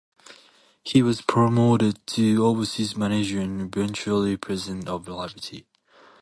He was promoted to overseas manager and eventually president of Liberty.